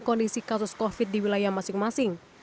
kondisi kasus covid sembilan belas di wilayah masing masing